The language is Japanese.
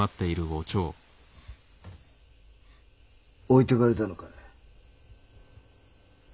置いてかれたのかい？